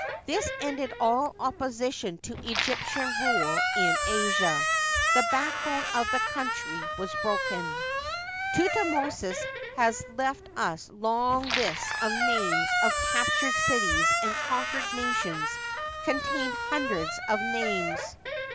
This ended all opposition to Egyptian rule in Asia : the backbone of the country was broken. Thutmosis has left us long lists of names of captured cities and conquered nations containing hundreds of names ; yGoogl e 76 HISTORY OF EGYPT.